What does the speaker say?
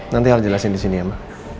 nanti al jelasin disini ya ma